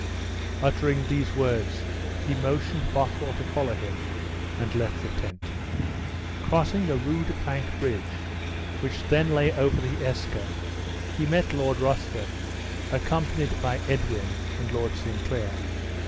Uttering these words he motioned Bothwell to follow him, and left the tent. Crossing a rude plank bridge, which then lay over the Eske, he met Lord Ruthven, accompanied by Edwin and Lord Sinclair.